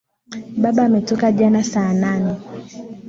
Baba ametoka jana saa nane.